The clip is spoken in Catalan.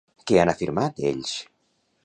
Què han afirmat ells?